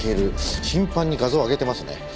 頻繁に画像を上げてますね。